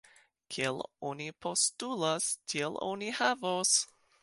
Kiel oni postulas, tiel oni havos!